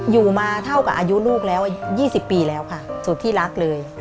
อยู่มาเท่ากับอายุลูกแล้ว๒๐ปีแล้วค่ะสุดที่รักเลย